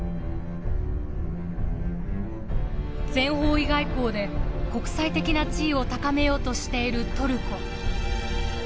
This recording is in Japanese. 全方位外交で国際的な地位を高めようとしているトルコ。